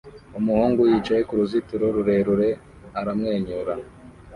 Umuhungu yicaye kuruzitiro rurerure aramwenyura